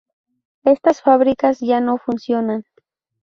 Estas fábricas ya no funcionan.